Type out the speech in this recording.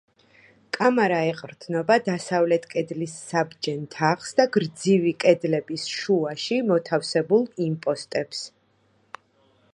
კამარა ეყრდნობა დასავლეთ კედლის საბჯენ თაღს და გრძივი კედლების შუაში მოთავსებულ იმპოსტებს.